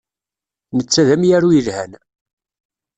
Netta d amaru yelhan.